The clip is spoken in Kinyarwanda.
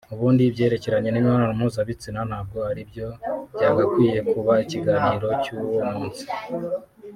ubundi ibyerekeranye n’imibonano mpuzabitsina ntabwo aribyo byagakwiye kuba ikiganiro cyuwo munsi